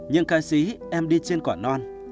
nhưng ca sĩ em đi trên quả non